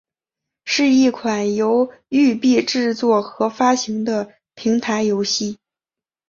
是一款由育碧制作和发行的平台游戏。